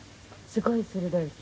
すごい鋭いです。